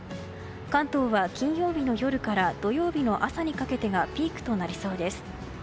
関東は金曜日の夜から土曜日の朝にかけてがピークとなりそうです。